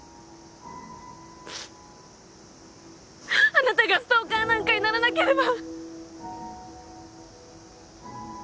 あなたがストーカーなんかにならなければ。